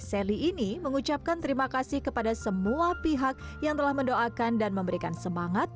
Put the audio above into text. sally ini mengucapkan terima kasih kepada semua pihak yang telah mendoakan dan memberikan semangat